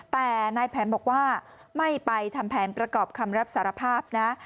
แต่นายแผนบอกว่าไม่ไปทำแผนประกอบคำรับสารภาพนะ